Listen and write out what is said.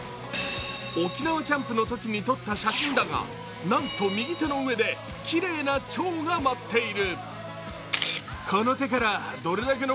沖縄キャンプのときに撮った写真だがなんと右手の上できれいなちょうが舞っている。